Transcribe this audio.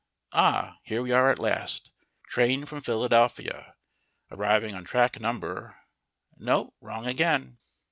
Ah, here we are at last! Train from Philadelphia! Arriving on track Number ; no, wrong again!